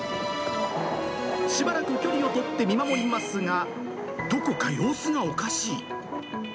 しばらく距離を取って見守りますが、どこか様子がおかしい。